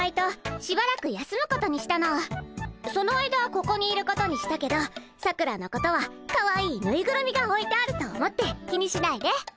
その間ここにいることにしたけどさくらのことはかわいいぬいぐるみがおいてあると思って気にしないで。